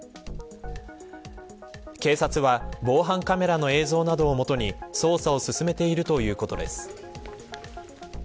警察は、防犯カメラの映像などをもとに捜査を進めているということです。